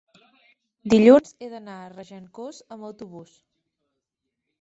dilluns he d'anar a Regencós amb autobús.